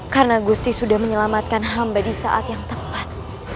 karena agusti sudah menyelamatkan hamba di saat yang tepat